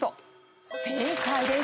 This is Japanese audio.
正解です。